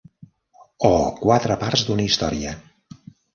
O quatre parts d'una història.